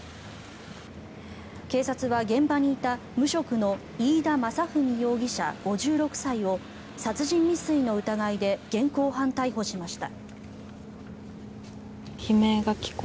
警察は、現場にいた無職の飯田雅史容疑者、５６歳を殺人未遂の疑いで現行犯逮捕しました。